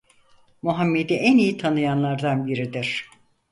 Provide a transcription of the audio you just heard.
Muhammed'i en iyi tanıyanlardan biridir.